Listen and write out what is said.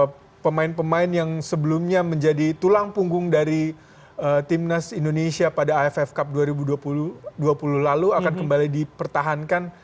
karena pemain pemain yang sebelumnya menjadi tulang punggung dari timnas indonesia pada aff cup dua ribu dua puluh lalu akan kembali dipertahankan